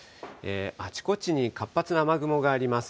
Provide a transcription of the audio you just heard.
あちこちに活発な雨雲があります。